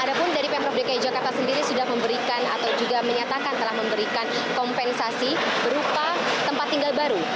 ada pun dari pemprov dki jakarta sendiri sudah memberikan atau juga menyatakan telah memberikan kompensasi berupa tempat tinggal baru